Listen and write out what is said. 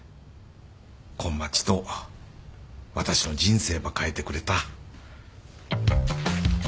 こん町と私の人生ば変えてくれた。